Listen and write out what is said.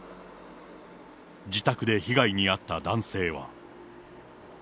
自宅で被害に遭った男性は。